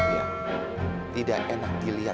ya tidak enak dilihat